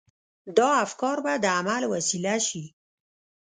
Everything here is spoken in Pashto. دا افکار به د عمل وسيله شي.